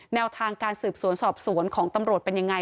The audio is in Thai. แนวทางการสืบสวนสอบสวนของตำรวจเป็นยังไง